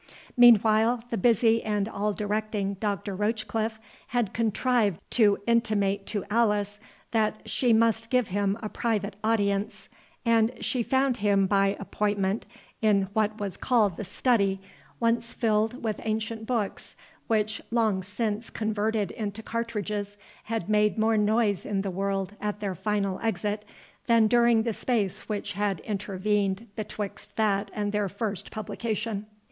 Meanwhile the busy and all directing Dr. Rochecliffe had contrived to intimate to Alice that she must give him a private audience, and she found him by appointment in what was called the study, once filled with ancient books, which, long since converted into cartridges, had made more noise in the world at their final exit, than during the space which had intervened betwixt that and their first publication.